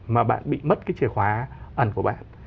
mà bạn bị mất cái chìa khóa ẩn của bạn